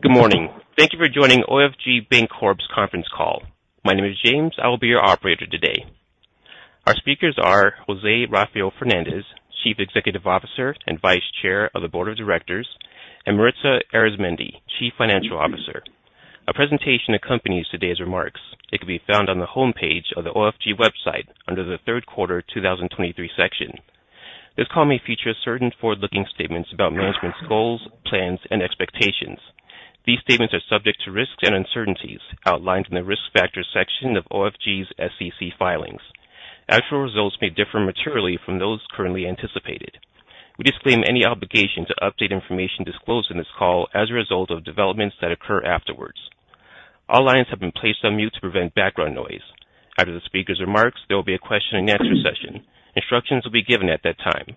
Good morning. Thank you for joining OFG Bancorp's conference call. My name is James. I will be your operator today. Our speakers are José Rafael Fernández, Chief Executive Officer and Vice Chair of the Board of Directors, and Maritza Arizmendi, Chief Financial Officer. A presentation accompanies today's remarks. It can be found on the homepage of the OFG website under the third quarter 2023 section. This call may feature certain forward-looking statements about management's goals, plans, and expectations. These statements are subject to risks and uncertainties outlined in the Risk Factors section of OFG's SEC filings. Actual results may differ materially from those currently anticipated. We disclaim any obligation to update information disclosed in this call as a result of developments that occur afterwards. All lines have been placed on mute to prevent background noise. After the speaker's remarks, there will be a question-and-answer session. Instructions will be given at that time.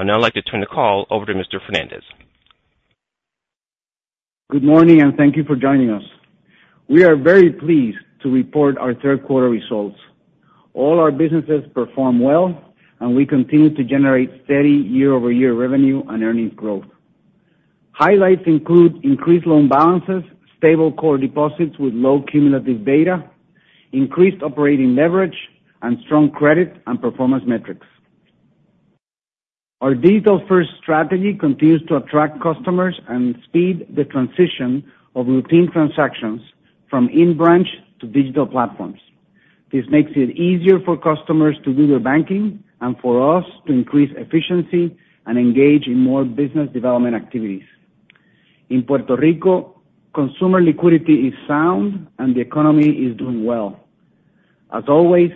I'd now like to turn the call over to Mr. Fernández. Good morning, and thank you for joining us. We are very pleased to report our third quarter results. All our businesses performed well, and we continue to generate steady year-over-year revenue and earnings growth. Highlights include increased loan balances, stable core deposits with low cumulative beta, increased operating leverage, and strong credit and performance metrics. Our digital-first strategy continues to attract customers and speed the transition of routine transactions from in-branch to digital platforms. This makes it easier for customers to do their banking and for us to increase efficiency and engage in more business development activities. In Puerto Rico, consumer liquidity is sound, and the economy is doing well. As always,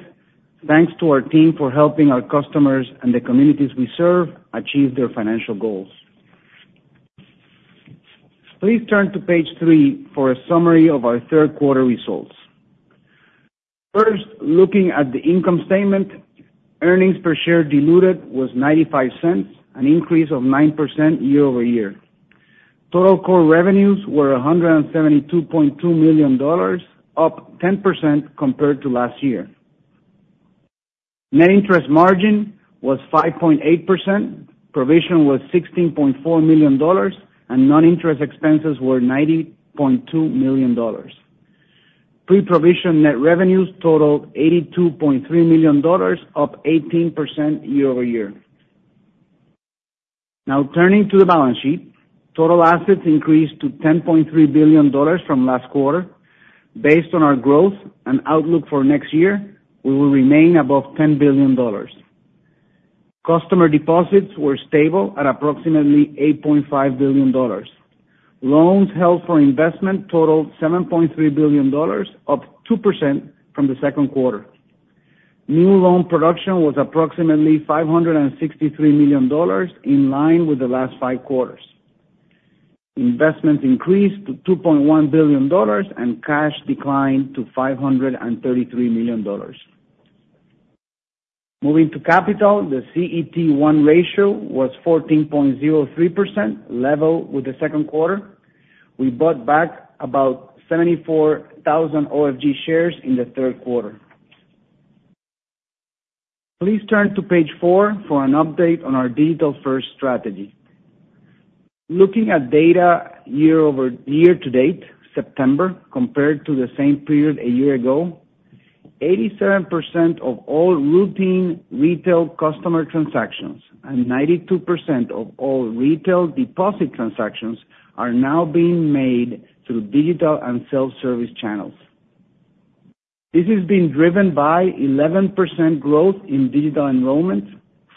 thanks to our team for helping our customers and the communities we serve achieve their financial goals. Please turn to page three for a summary of our third quarter results. First, looking at the income statement, earnings per share diluted was $0.95, an increase of 9% year-over-year. Total core revenues were $172.2 million, up 10% compared to last year. Net interest margin was 5.8%, provision was $16.4 million, and non-interest expenses were $90.2 million. Pre-provision net revenues totaled $82.3 million, up 18% year-over-year. Now, turning to the balance sheet, total assets increased to $10.3 billion from last quarter. Based on our growth and outlook for next year, we will remain above $10 billion. Customer deposits were stable at approximately $8.5 billion. Loans held for investment totaled $7.3 billion, up 2% from the second quarter. New loan production was approximately $563 million, in line with the last five quarters. Investments increased to $2.1 billion, and cash declined to $533 million. Moving to capital, the CET1 Ratio was 14.03%, level with the second quarter. We bought back about 74,000 OFG shares in the third quarter. Please turn to page four for an update on our digital-first strategy. Looking at data year-over-year to date, September, compared to the same period a year ago, 87% of all routine retail customer transactions and 92% of all retail deposit transactions are now being made through digital and self-service channels. This has been driven by 11% growth in digital enrollment,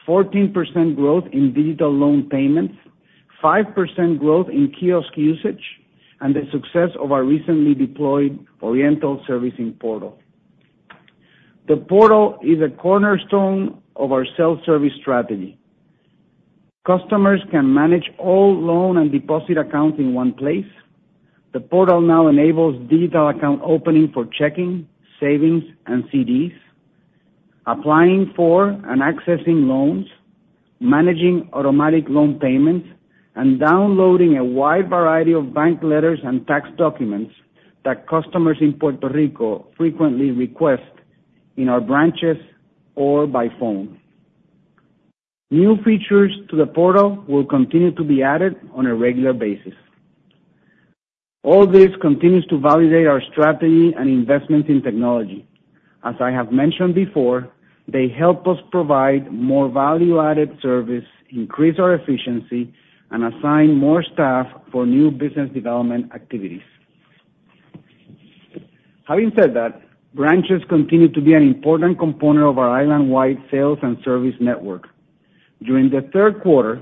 14% growth in digital loan payments, 5% growth in kiosk usage, and the success of our recently deployed Oriental Servicing Portal. The portal is a cornerstone of our self-service strategy. Customers can manage all loan and deposit accounts in one place. The portal now enables digital account opening for checking, savings, and CDs, applying for and accessing loans, managing automatic loan payments, and downloading a wide variety of bank letters and tax documents that customers in Puerto Rico frequently request in our branches or by phone. New features to the portal will continue to be added on a regular basis. All this continues to validate our strategy and investments in technology. As I have mentioned before, they help us provide more value-added service, increase our efficiency, and assign more staff for new business development activities. Having said that, branches continue to be an important component of our island-wide sales and service network. During the third quarter,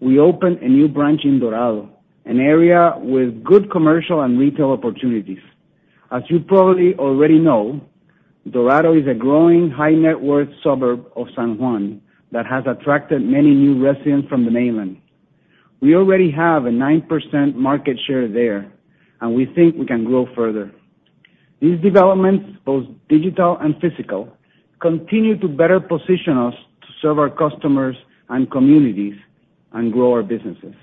we opened a new branch in Dorado, an area with good commercial and retail opportunities. As you probably already know, Dorado is a growing, high-net-worth suburb of San Juan that has attracted many new residents from the mainland. We already have a 9% market share there, and we think we can grow further. These developments, both digital and physical, continue to better position us to serve our customers and communities and grow our businesses.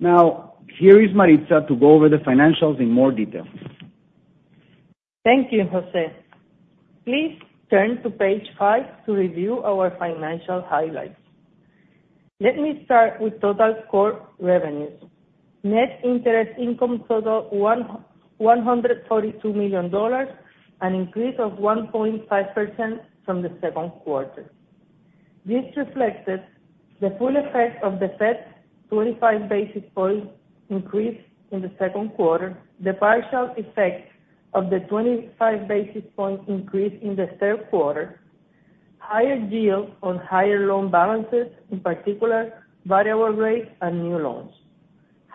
Now, here is Maritza to go over the financials in more detail. Thank you, José. Please turn to page five to review our financial highlights. Let me start with total core revenues. Net interest income totaled $142 million, an increase of 1.5% from the second quarter. This reflected the full effect of the Fed's 25 basis point increase in the second quarter, the partial effect of the 25 basis point increase in the third quarter, higher yields on higher loan balances, in particular, variable rates and new loans,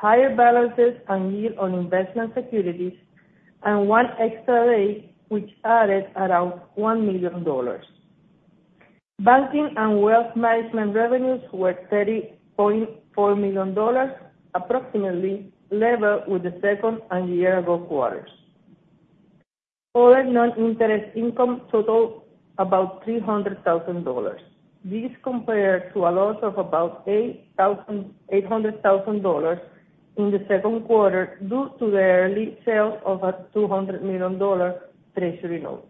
higher balances and yield on investment securities, and one extra day, which added around $1 million. Banking and wealth management revenues were $30.4 million, approximately level with the second and year-ago quarters. Other non-interest income totaled about $300,000. This compared to a loss of about $800,000 in the second quarter, due to the early sale of a $200 million treasury note.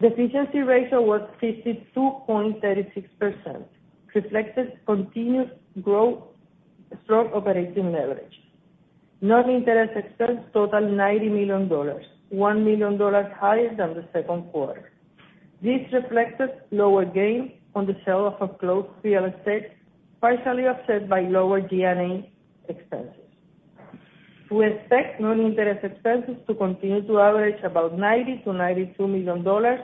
The efficiency ratio was 52.36%, reflected continued growth, strong operating leverage. Non-interest expense totaled $90 million, $1 million higher than the second quarter. This reflected lower gains on the sale of foreclosed real estate, partially offset by lower G&A expenses. We expect non-interest expenses to continue to average about $90 million-$92 million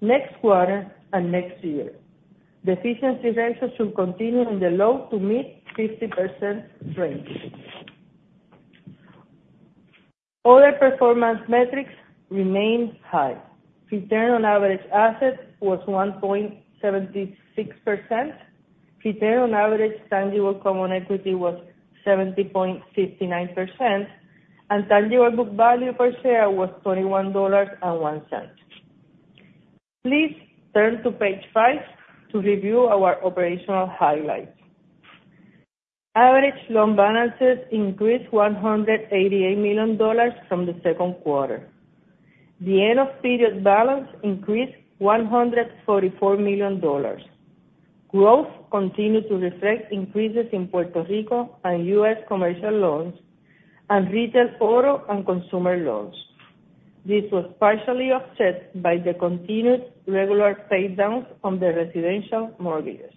next quarter and next year. The efficiency ratio should continue in the low to mid-50% range. Other performance metrics remained high. Return on average assets was 1.76%. Return on average tangible common equity was 70.59%, and tangible book value per share was $21.01. Please turn to page five to review our operational highlights. Average loan balances increased $188 million from the second quarter. The end-of-period balance increased $144 million. Growth continued to reflect increases in Puerto Rico and U.S. commercial loans and retail auto and consumer loans. This was partially offset by the continued regular paydowns on the residential mortgages.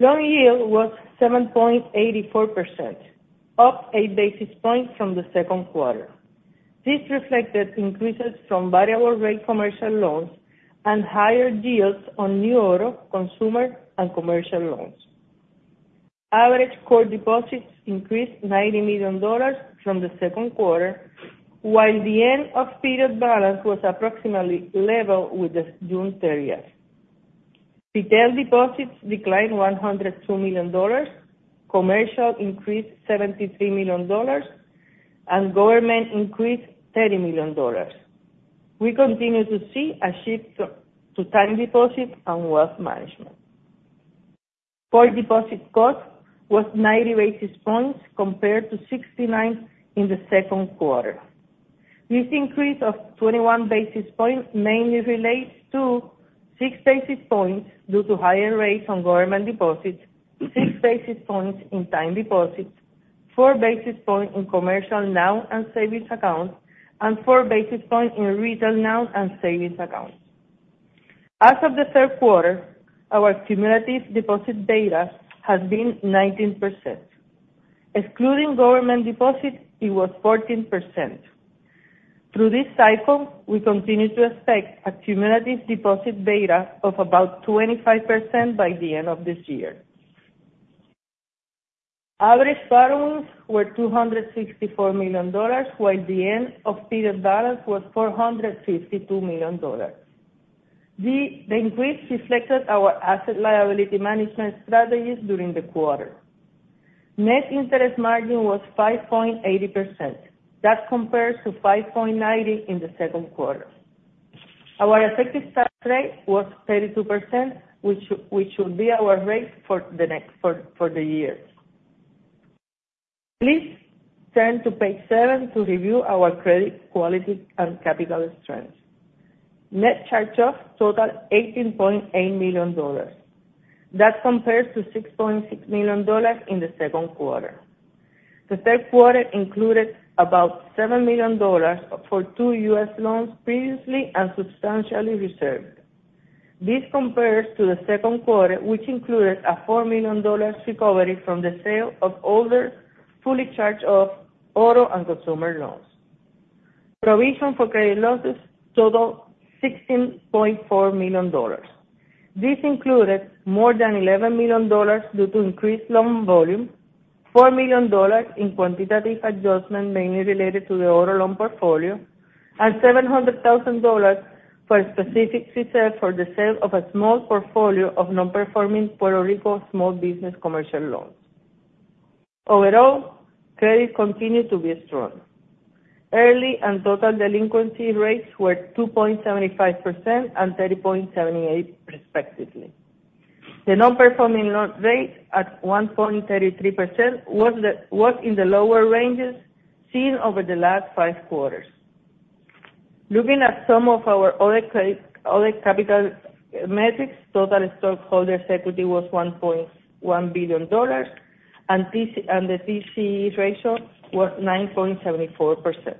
Loan yield was 7.84%, up eight basis points from the second quarter. This reflected increases from variable rate commercial loans and higher yields on new auto, consumer, and commercial loans. Average core deposits increased $90 million from the second quarter, while the end-of-period balance was approximately level with the June 30th year. Retail deposits declined $102 million, commercial increased $73 million, and government increased $30 million. We continue to see a shift to time deposit and wealth management. Core deposit cost was 90 basis points, compared to 69 in the second quarter. This increase of 21 basis points mainly relates to six basis points due to higher rates on government deposits, six basis points in time deposits, four basis points in commercial NOW and savings accounts, and four basis points in retail NOW and savings accounts. As of the third quarter, our cumulative deposit beta has been 19%. Excluding government deposits, it was 14%. Through this cycle, we continue to expect a cumulative deposit beta of about 25% by the end of this year. Average borrowings were $264 million, while the end-of-period balance was $452 million. The increase reflected our asset liability management strategies during the quarter. Net Interest Margin was 5.80%. That compares to 5.90 in the second quarter. Our effective tax rate was 32%, which will be our rate for the year. Please turn to page 7 to review our credit quality and capital strength. Net charge-offs totaled $18.8 million. That compares to $6.6 million in the second quarter. The third quarter included about $7 million for two U.S. loans previously and substantially reserved. This compares to the second quarter, which included a $4 million recovery from the sale of older, fully charged-off auto and consumer loans. Provision for credit losses totaled $16.4 million. This included more than $11 million due to increased loan volume, $4 million in quantitative adjustment, mainly related to the auto loan portfolio, and $700,000 for a specific reserve for the sale of a small portfolio of non-performing Puerto Rico small business commercial loans. Overall, credit continued to be strong. Early and total delinquency rates were 2.75% and 30.78%, respectively. The non-performing loan rate at 1.33% was in the lower ranges seen over the last five quarters. Looking at some of our other capital metrics, total stockholder equity was $1.1 billion, and the TCE ratio was 9.74%.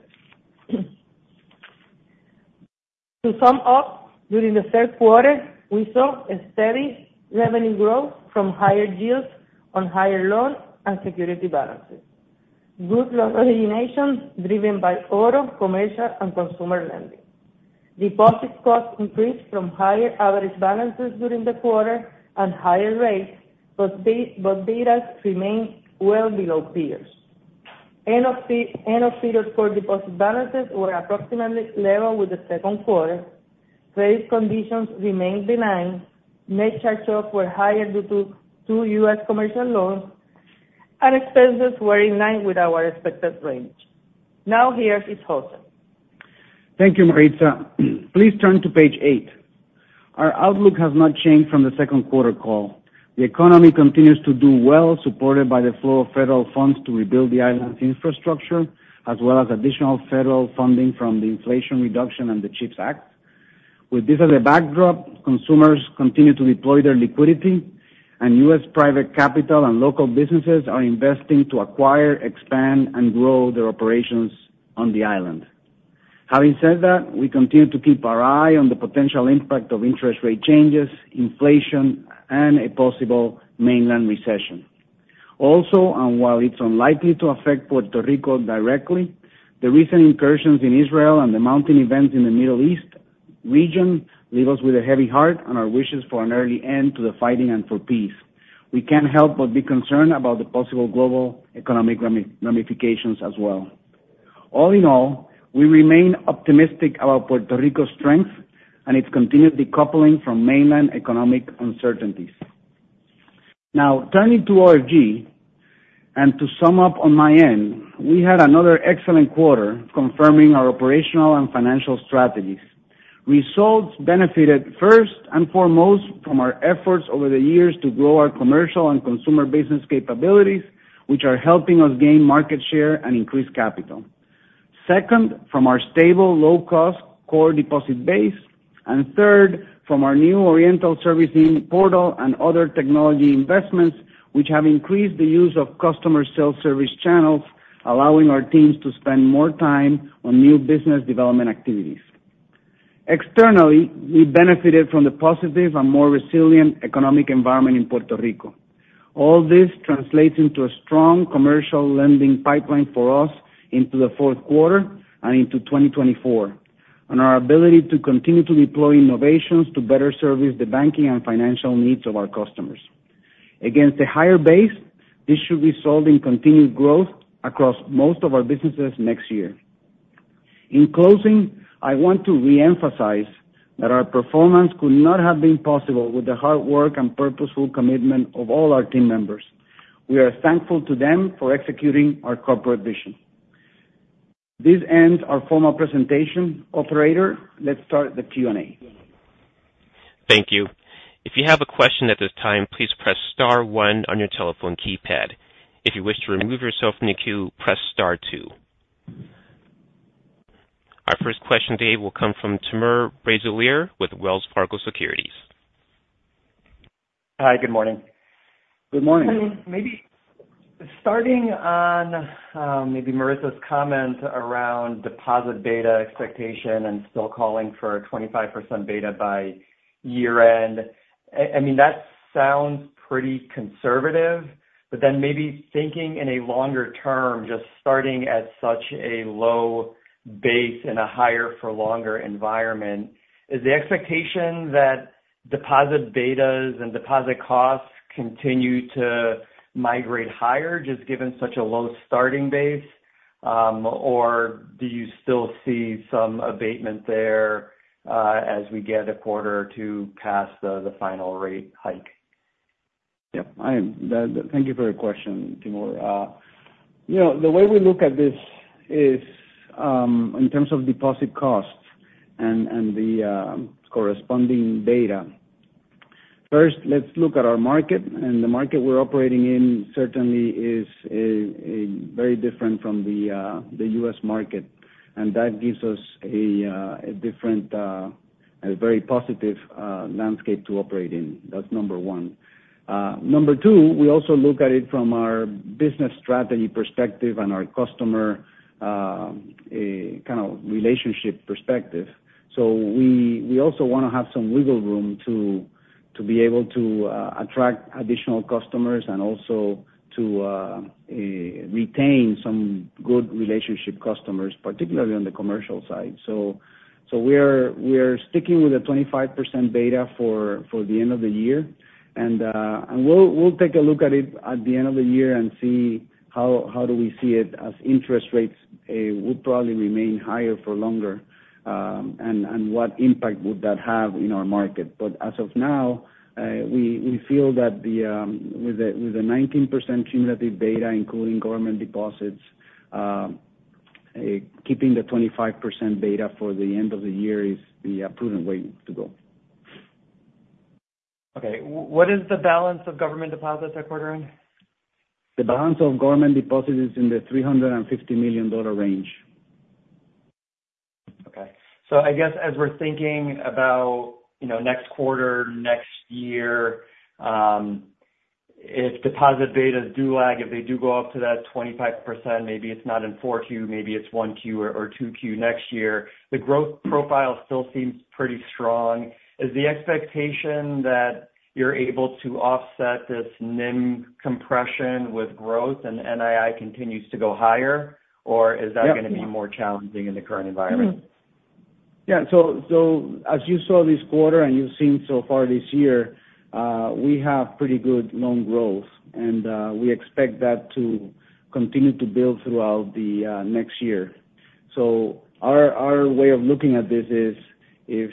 To sum up, during the third quarter, we saw a steady revenue growth from higher yields on higher loans and security balances. Good loan originations, driven by auto, commercial, and consumer lending. Deposit costs increased from higher average balances during the quarter and higher rates, but betas remain well below peers. End-of-period core deposit balances were approximately level with the second quarter. Credit conditions remained benign. Net charge-offs were higher due to two U.S. commercial loans, and expenses were in line with our expected range. Now, here is José. Thank you, Maritza. Please turn to page 8. Our outlook has not changed from the second quarter call. The economy continues to do well, supported by the flow of federal funds to rebuild the island's infrastructure, as well as additional federal funding from the Inflation Reduction and the CHIPS Act. With this as a backdrop, consumers continue to deploy their liquidity, and U.S. private capital and local businesses are investing to acquire, expand, and grow their operations on the island. Having said that, we continue to keep our eye on the potential impact of interest rate changes, inflation, and a possible mainland recession. Also, and while it's unlikely to affect Puerto Rico directly, the recent incursions in Israel and the mounting events in the Middle East region leave us with a heavy heart, and our wishes for an early end to the fighting and for peace. We can't help but be concerned about the possible global economic ramifications as well. All in all, we remain optimistic about Puerto Rico's strength and its continued decoupling from mainland economic uncertainties. Now, turning to OFG, and to sum up on my end, we had another excellent quarter confirming our operational and financial strategies. Results benefited first and foremost from our efforts over the years to grow our commercial and consumer business capabilities, which are helping us gain market share and increase capital. Second, from our stable, low-cost core deposit base, and third, from our new Oriental Servicing Portal and other technology investments, which have increased the use of customer self-service channels, allowing our teams to spend more time on new business development activities. Externally, we benefited from the positive and more resilient economic environment in Puerto Rico. All this translates into a strong commercial lending pipeline for us into the fourth quarter and into 2024, and our ability to continue to deploy innovations to better service the banking and financial needs of our customers. Against a higher base, this should result in continued growth across most of our businesses next year. In closing, I want to reemphasize that our performance could not have been possible with the hard work and purposeful commitment of all our team members. We are thankful to them for executing our corporate vision. This ends our formal presentation. Operator, let's start the Q&A. Thank you. If you have a question at this time, please press star one on your telephone keypad. If you wish to remove yourself from the queue, press star two. Our first question today will come from Timur Braziler with Wells Fargo Securities. Hi, good morning. Good morning. Maybe starting on maybe Maritza's comment around deposit beta expectation and still calling for a 25% beta by year-end. I mean, that sounds pretty conservative, but then maybe thinking in a longer term, just starting at such a low base and a higher for longer environment, is the expectation that deposit betas and deposit costs continue to migrate higher, just given such a low starting base? Or do you still see some abatement there as we get a quarter or two past the final rate hike? Yep, I am. Thank you for your question, Timur. You know, the way we look at this is in terms of deposit costs and the corresponding data. First, let's look at our market, and the market we're operating in certainly is very different from the U.S. market, and that gives us a different, a very positive landscape to operate in. That's number one. Number two, we also look at it from our business strategy perspective and our customer kind of relationship perspective. We also wanna have some wiggle room to be able to attract additional customers and also to retain some good relationship customers, particularly on the commercial side. We're sticking with the 25% beta for the end of the year, and we'll take a look at it at the end of the year and see how do we see it as interest rates would probably remain higher for longer and what impact would that have in our market. As of now, we feel that with the 19% cumulative beta, including government deposits, keeping the 25% beta for the end of the year is the prudent way to go. Okay. What is the balance of government deposits at quarter end? The balance of government deposits is in the $350 million range. Okay. I guess as we're thinking about, you know, next quarter, next year, if deposit betas do lag, if they do go up to that 25%, maybe it's not in 4Q, maybe it's 1Q or 2Q next year, the growth profile still seems pretty strong. Is the expectation that you're able to offset this NIM compression with growth and NII continues to go higher? Or is that. Yep. Gonna be more challenging in the current environment? Mm-hmm. Yeah, so as you saw this quarter, and you've seen so far this year, we have pretty good loan growth, and we expect that to continue to build throughout the next year. Our way of looking at this is, if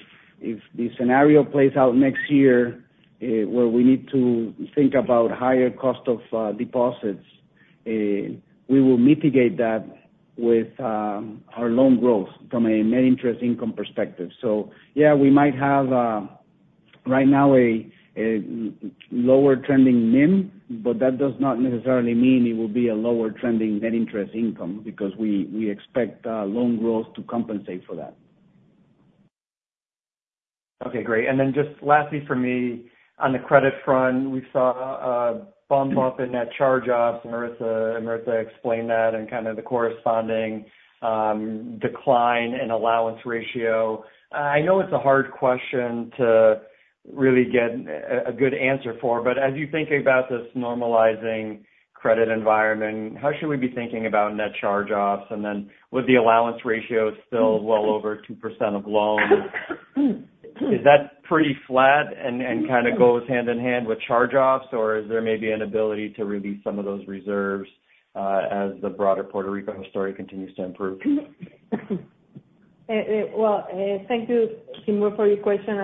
the scenario plays out next year where we need to think about higher cost of deposits, we will mitigate that with our loan growth from a net interest income perspective. Yeah, we might have right now a lower trending NIM, but that does not necessarily mean it will be a lower trending net interest income, because we expect loan growth to compensate for that. Okay, great. Just lastly for me, on the credit front, we saw a bump up in net charge-offs. Maritza explained that and kind of the corresponding decline in allowance ratio. I know it's a hard question to really get a good answer for, but as you think about this normalizing credit environment, how should we be thinking about net charge-offs? With the allowance ratio still well over 2% of loans, is that pretty flat and kind of goes hand-in-hand with charge-offs, or is there maybe an ability to release some of those reserves as the broader Puerto Rico story continues to improve? Well, thank you, Timur, for your question.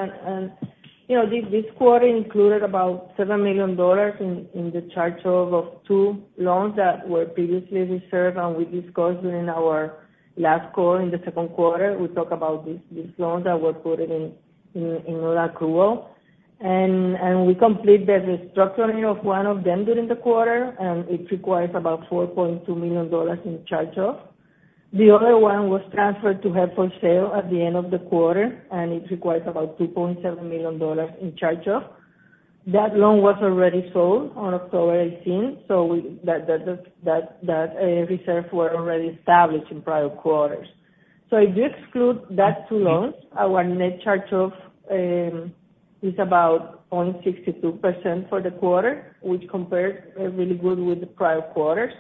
You know, this quarter included about $7 million in the charge-off of two loans that were previously reserved, and we discussed during our last call in the second quarter. We talk about these loans that were put in nonaccrual. We completed the restructuring of one of them during the quarter, and it requires about $4.2 million in charge-off. The other one was transferred to held for sale at the end of the quarter, and it requires about $3.7 million in charge-off. That loan was already sold on October 18th, so that reserve were already established in prior quarters. If you exclude that two loans, our net charge-off is about 0.62% for the quarter, which compares really good with the prior quarters.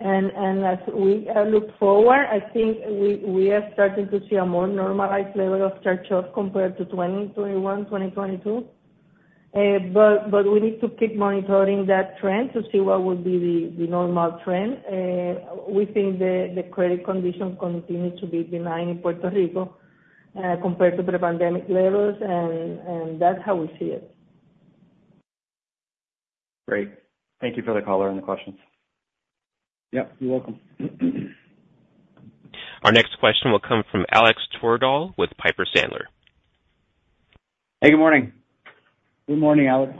As we look forward, I think we are starting to see a more normalized level of charge-off compared to 2021, 2022. We need to keep monitoring that trend to see what would be the normal trend. We think the credit condition continues to be benign in Puerto Rico compared to pre-pandemic levels, and that's how we see it. Great. Thank you for the color on the questions. Yep, you're welcome. Our next question will come from Alex Twerdahl with Piper Sandler. Hey, good morning. Good morning, Alex.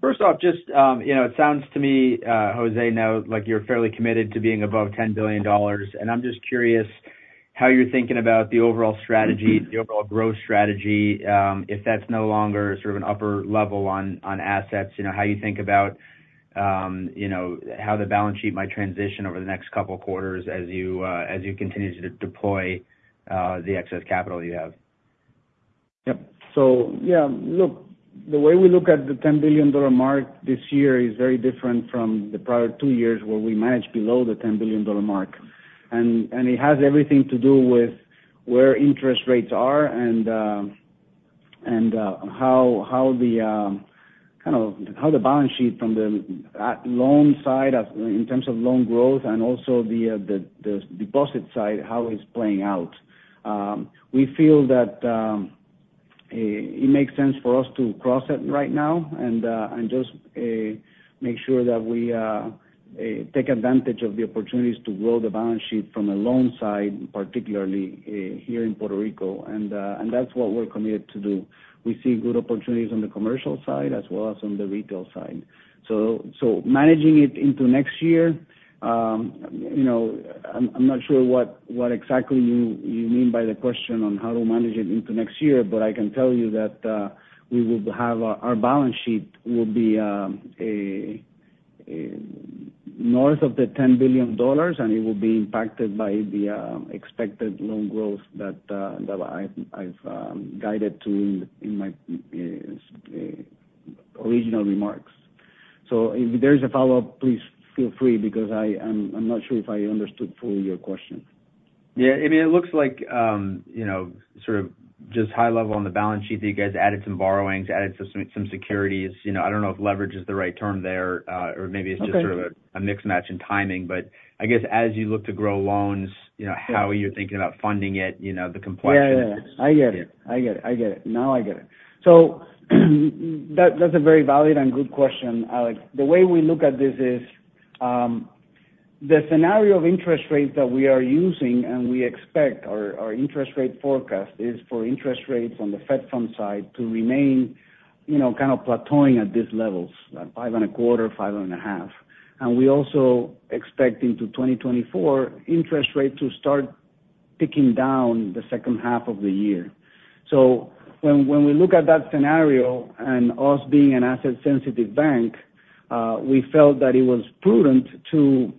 First off, just, you know, it sounds to me, José, now like you're fairly committed to being above $10 billion. I'm just curious how you're thinking about the overall strategy, the overall growth strategy, if that's no longer sort of an upper level on assets, you know, how you think about, you know, how the balance sheet might transition over the next couple of quarters as you continue to deploy the excess capital you have? Yep. Yeah, look, the way we look at the $10 billion mark this year is very different from the prior two years, where we managed below the $10 billion mark. It has everything to do with where interest rates are and how the kind of how the balance sheet from the loan side of in terms of loan growth and also the deposit side, how it's playing out. We feel that it makes sense for us to cross it right now and just make sure that we take advantage of the opportunities to grow the balance sheet from a loan side, particularly here in Puerto Rico. That's what we're committed to do. We see good opportunities on the commercial side as well as on the retail side. Managing it into next year, you know, I'm not sure what exactly you mean by the question on how to manage it into next year, but I can tell you that our balance sheet will be north of the $10 billion, and it will be impacted by the expected loan growth that I've guided to in my original remarks. If there is a follow-up, please feel free, because I'm not sure if I understood fully your question. Yeah, I mean, it looks like, you know, sort of just high level on the balance sheet that you guys added some borrowings, added some securities. You know, I don't know if leverage is the right term there, or maybe it's just. Okay Sort of a mismatch in timing. I guess as you look to grow loans, you know, how are you thinking about funding it? You know, the complexion. Yeah, yeah. I get it. I get it. I get it. Now I get it. That's a very valid and good question, Alex. The way we look at this is the scenario of interest rates that we are using, and we expect our interest rate forecast is for interest rates on the Fed Funds side to remain, you know, kind of plateauing at these levels, 5.25, 5.5. We also expect into 2024, interest rates to start ticking down the second half of the year. When we look at that scenario and us being an asset-sensitive bank, we felt that it was prudent to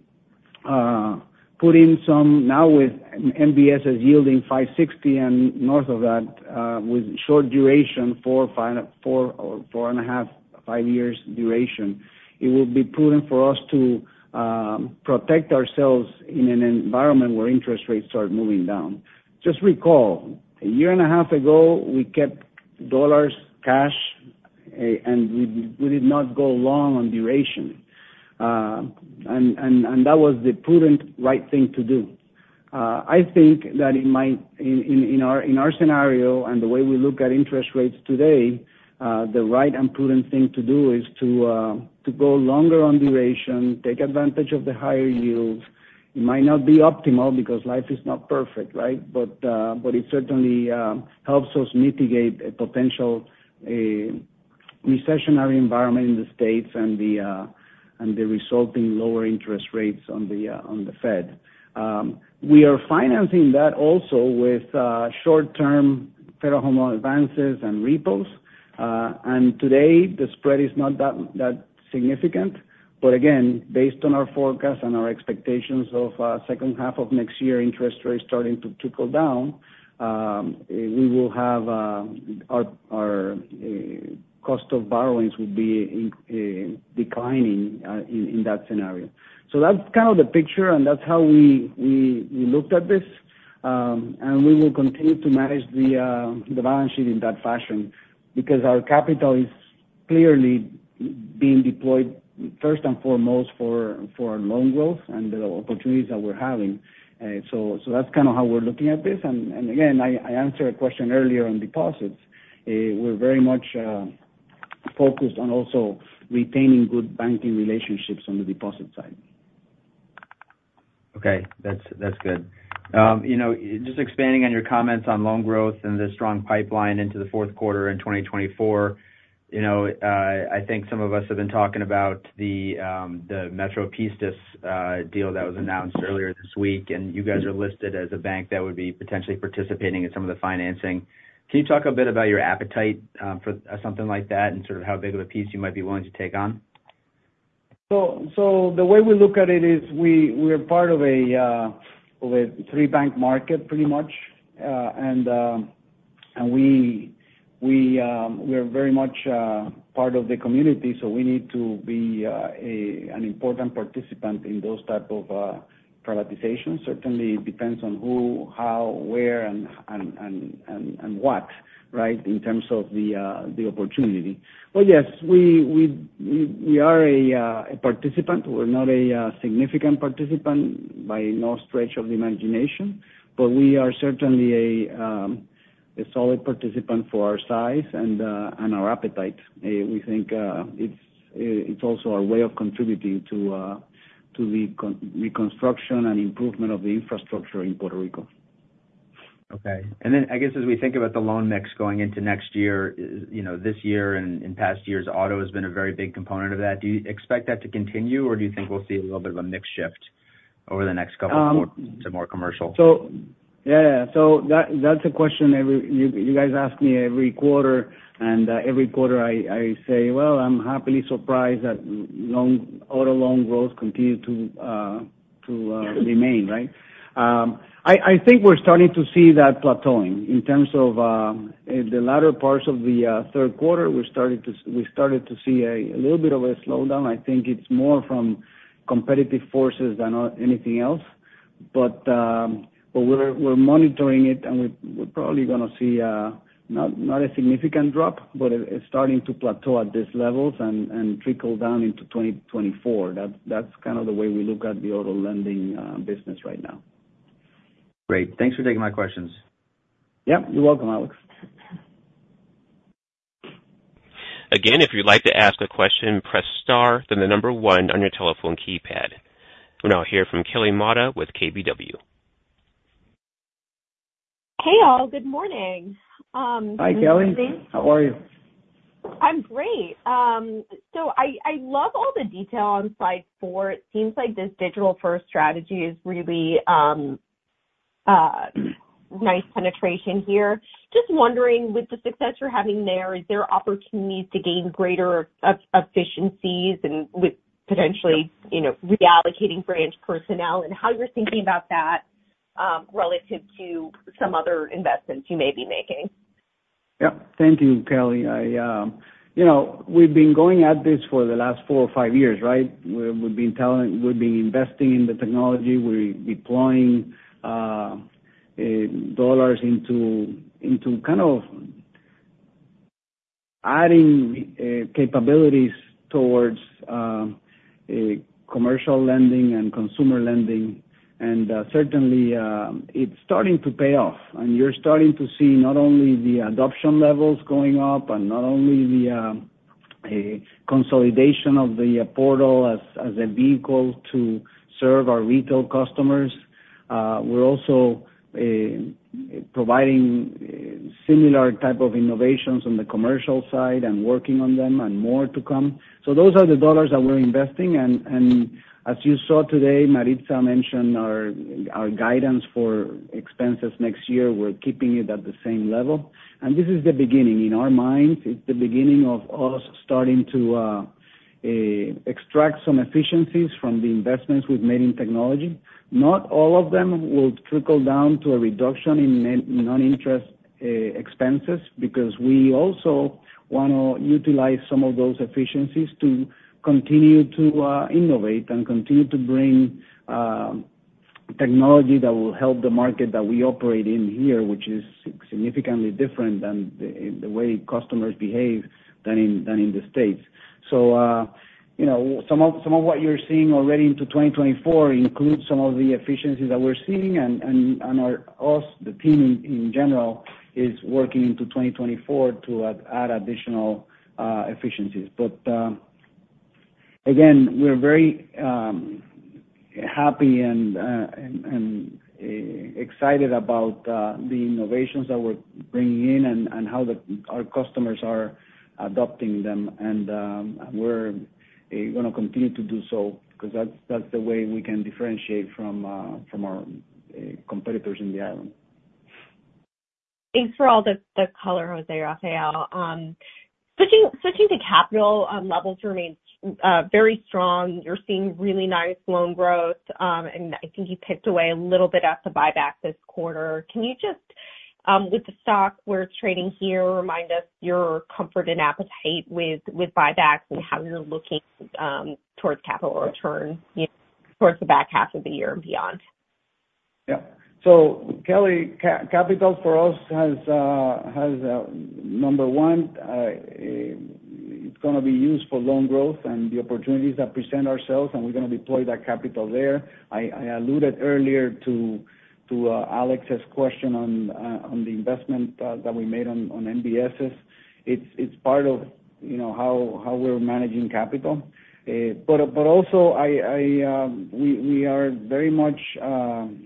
put in some now with MBS yielding 5.60% and north of that, with short duration, 4, 5, 4 or 4.5, 5 years duration, it will be prudent for us to protect ourselves in an environment where interest rates start moving down. Just recall, 1.5 years ago, we kept dollars, cash, and we did not go long on duration. That was the prudent, right thing to do. I think that in our scenario and the way we look at interest rates today, the right and prudent thing to do is to go longer on duration, take advantage of the higher yields. It might not be optimal because life is not perfect, right? It certainly helps us mitigate a potential recessionary environment in the States and the resulting lower interest rates on the Fed. We are financing that also with short-term Federal Home advances and repos. Today, the spread is not that significant. Again, based on our forecast and our expectations of second half of next year, interest rates starting to trickle down, we will have our cost of borrowings will be declining in that scenario. That's kind of the picture, and that's how we looked at this. We will continue to manage the balance sheet in that fashion, because our capital is clearly being deployed first and foremost for loan growth and the opportunities that we're having. That's kind of how we're looking at this. Again, I answered a question earlier on deposits. We're very much focused on also retaining good banking relationships on the deposit side. Okay, that's good. You know, just expanding on your comments on loan growth and the strong pipeline into the fourth quarter in 2024, you know, I think some of us have been talking about the Metropistas deal that was announced earlier this week, and you guys are listed as a bank that would be potentially participating in some of the financing. Can you talk a bit about your appetite for something like that and sort of how big of a piece you might be willing to take on? Wait, "Puerto Rico". * Glossary: "Puerto Rico". * Correct. * Wait, "three-bank market". * Original: "three-bank market". * Correct. * Wait, "Certainly, it depends on who, how, where, and what, right, in terms of the opportunity?" * Original: "Certainly, it depends on who, how, where, and, and, and, and, and what, right? In terms of the, uh, the opportunity." * Correct. * Wait, "Yes, we are a participant." * Original: "But yes, we, we, we are a, uh, a participant." * Correct. Okay. I guess, as we think about the loan mix going into next year, you know, this year and in past years, auto has been a very big component of that. Do you expect that to continue, or do you think we'll see a little bit of a mix shift over the next couple of to more commercial? Yeah, yeah. That's a question you guys ask me every quarter, and every quarter I say: Well, I'm happily surprised that loan, auto loan growth continued to remain, right? I think we're starting to see that plateauing. In terms of the latter parts of the third quarter, we started to see a little bit of a slowdown. I think it's more from competitive forces than anything else. But we're monitoring it, and we're probably gonna see not a significant drop, but it's starting to plateau at this levels and trickle down into 2024. That's kind of the way we look at the auto lending business right now. Great. Thanks for taking my questions. Yeah, you're welcome, Alex. Again, if you'd like to ask a question, press star, then the number one on your telephone keypad. We'll now hear from Kelly Motta with KBW. Hey, all. Good morning. Hi, Kelly. How are you? I'm great. I love all the detail on slide 4. It seems like this digital-first strategy is really nice penetration here. Just wondering, with the success you're having there, is there opportunities to gain greater efficiencies and with potentially, you know, reallocating branch personnel, and how you're thinking about that relative to some other investments you may be making? Yeah. Thank you, Kelly. You know, we've been going at this for the last four or five years, right? We've been investing in the technology. We're deploying dollars into kind of adding capabilities towards commercial lending and consumer lending, and certainly, it's starting to pay off. You're starting to see not only the adoption levels going up and not only the consolidation of the portal as a vehicle to serve our retail customers. We're also providing similar type of innovations on the commercial side and working on them and more to come. Those are the dollars that we're investing. As you saw today, Maritza mentioned our guidance for expenses next year, we're keeping it at the same level. This is the beginning. In our minds, it's the beginning of us starting to extract some efficiencies from the investments we've made in technology. Not all of them will trickle down to a reduction in non-interest expenses, because we also wanna utilize some of those efficiencies to continue to innovate and continue to bring technology that will help the market that we operate in here, which is significantly different than the way customers behave than in the States. You know, some of what you're seeing already into 2024 includes some of the efficiencies that we're seeing, and us, the team in general, is working into 2024 to add additional efficiencies. Again, we're very happy and excited about the innovations that we're bringing in and how our customers are adopting them, and we're gonna continue to do so because that's the way we can differentiate from our competitors in the island. Thanks for all the color, José Rafael. Switching to capital, levels remain very strong. You're seeing really nice loan growth, and I think you picked away a little bit at the buyback this quarter. Can you just, with the stock we're trading here, remind us your comfort and appetite with buybacks and how you're looking towards capital return towards the back half of the year and beyond? Yeah. Kelly, capital for us has, number one, it's gonna be used for loan growth and the opportunities that present ourselves, and we're gonna deploy that capital there. I alluded earlier to Alex's question on the investment that we made on MBSs. It's part of, you know, how we're managing capital. But also we are very much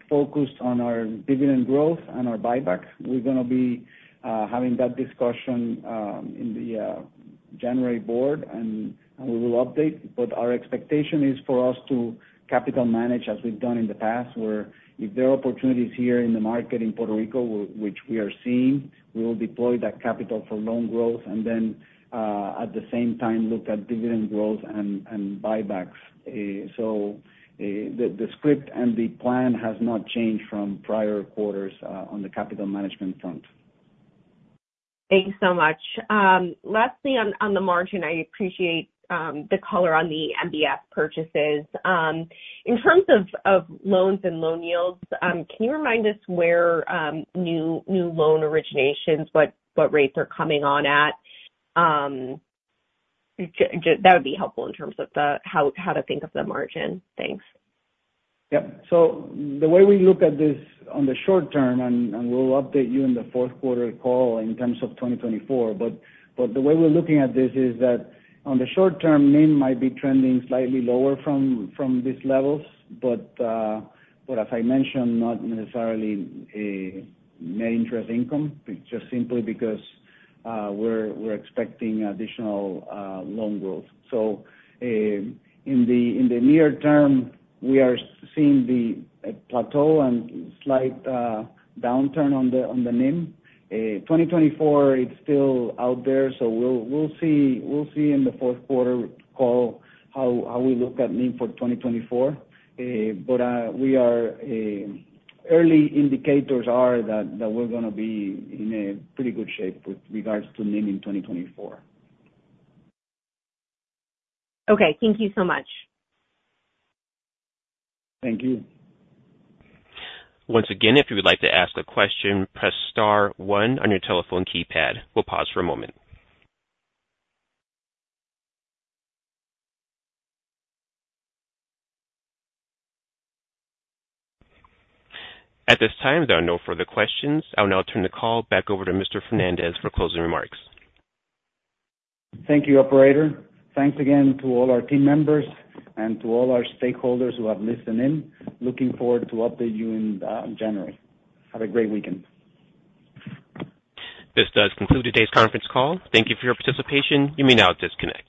focused on our dividend growth and our buybacks. We're gonna be having that discussion in the January Board, and we will update. Our expectation is for us to capital manage as we've done in the past, where if there are opportunities here in the market in Puerto Rico which we are seeing, we will deploy that capital for loan growth and then at the same time look at dividend growth and buybacks. The script and the plan has not changed from prior quarters on the capital management front. before the amount with no space". * None here. * Wait, "No em dashes (—) or semicolons (;)."* None used. * Wait, "Capitalize formal executive titles when used as titles in running text". * None here. Yeah. The way we look at this on the short term, and we'll update you in the fourth quarter call in terms of 2024, but the way we're looking at this is that on the short term, NIM might be trending slightly lower from these levels, but as I mentioned, not necessarily a net interest income, just simply because we're expecting additional loan growth. In the near term, we are seeing the plateau and slight downturn on the NIM. 2024, it's still out there, so we'll see in the fourth quarter call how we look at NIM for 2024. Early indicators are that we're gonna be in a pretty good shape with regards to NIM in 2024. abbreviations, and shorthand as spoke Thank you. Once again, if you would like to ask a question, press star one on your telephone keypad. We'll pause for a moment. At this time, there are no further questions. I'll now turn the call back over to Mr. Fernández for closing remarks. Thank you, operator. Thanks again to all our team members and to all our stakeholders who have listened in. Looking forward to update you in January. Have a great weekend. This does conclude today's conference call. Thank you for your participation. You may now disconnect.